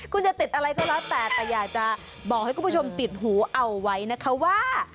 คุณจะติดอะไรก็แล้วแต่แต่อยากจะบอกให้คุณผู้ชมติดหูเอาไว้นะคะว่า